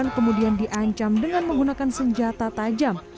korban kemudian diancam dengan menggunakan senjata tajam